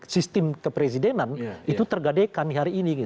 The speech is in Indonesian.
sistem kepresidenan itu tergadekan hari ini